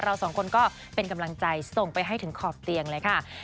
เราสองคนก็เป็นกำลังใจส่งไปให้ถึงขอบเตียงเลยค่ะ